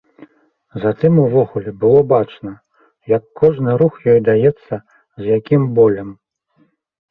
Затым увогуле было бачна, як кожны рух ёй даецца з якім болем.